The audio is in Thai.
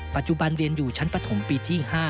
ปัจจุบันเรียนอยู่ชั้นปฐมปีที่๕